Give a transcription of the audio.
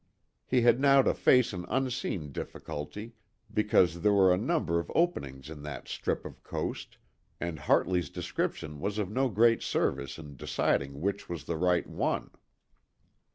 He had now to face an unseen difficulty because there were a number of openings in that strip of coast, and Hartley's description was of no great service in deciding which was the right one.